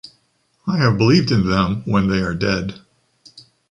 I have believed in them when they are dead